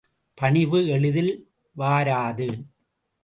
பணிவு எளிதில் வாராது.